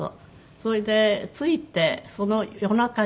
それで着いてその夜中にね